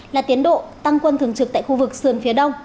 là tiến độ tăng quân thường trực tại khu vực sườn phía đông